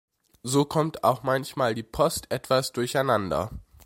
So kommt auch manchmal die Post etwas durcheinander.